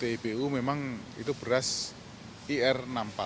di pt ibu memang itu beras ir enam puluh empat